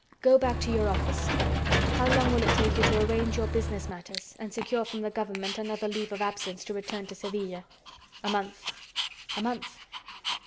Go back to your office. How long will it take you to arrange your business matters and secure from the government another leave of absence to return to Sevilla?" "A month." "A month?